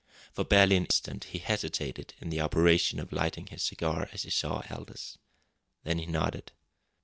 For barely an instant he hesitated in the operation of lighting his cigar as he saw Aldous. Then he nodded.